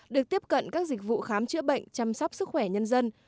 được tiếp cận các dịch vụ khám chữa bệnh chăm sóc sức khỏe nhân dân